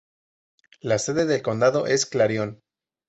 La sede del condado es Clarion.